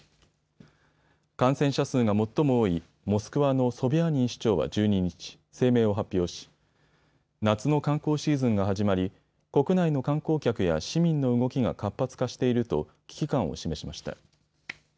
感染者数が最も多いモスクワのソビャーニン市長は１２日、声明を発表し夏の観光シーズンが始まり、国内の観光客や市民の動きが活発化していると危機感を示しました。